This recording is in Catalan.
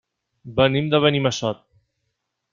Venim de Benimassot.